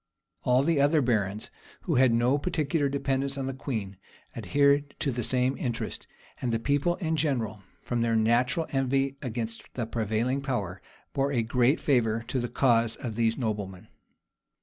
All the other barons, who had no particular dependence on the queen, adhered to the same interest; and the people in general, from their natural envy against the prevailing power, bore great favor to the cause of these noblemen.